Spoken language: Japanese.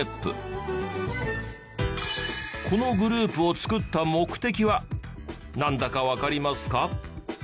このグループを作った目的はなんだかわかりますか？